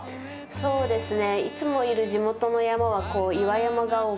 そうですね